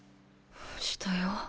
したよ。